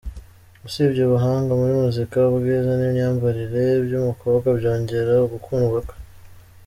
Usibye ubuhanga muri muzika, ubwiza n’imyambarire by’umukobwa byongera ugukundwa kwe.